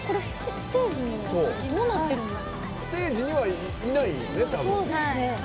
ステージにはいないよね？